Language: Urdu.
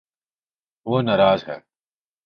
وہ ناراض ہے